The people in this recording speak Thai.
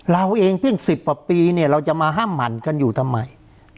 เราเองเพียง๑๐ปีเราจะมาห้ามหมั่นกันอยู่ทำไม